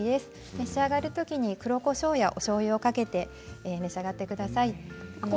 召し上がるときに黒こしょうやおしょうゆをかけて召し上がってください。